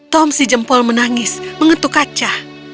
tom si jempol menangis mengetuk kaca